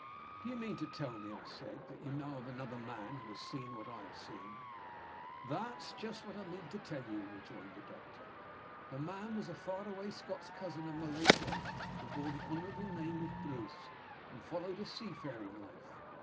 "Do you mean to tell me," I said, "that you know of another man who has seen what I have seen?" "That's just what I mean to tell you," rejoined the doctor. "The man was a far away Scots cousin of my late wife, who bore the honorable name of Bruce, and followed a seafaring life.